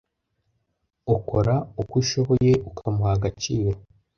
ukora uko ushoboye ukamuha agaciro